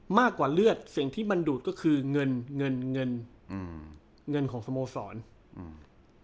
มากกว่าเลือดสิ่งที่มันดูดก็คือเงินเงินเงินอืมเงินของสโมสรอืม